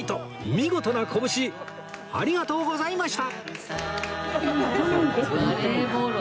見事な拳ありがとうございました！